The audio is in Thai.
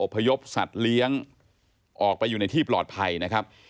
พยพสัตว์เลี้ยงออกไปอยู่ในที่ปลอดภัยนะครับ